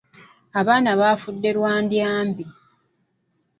Abaana bafudde lwa ndya mbi.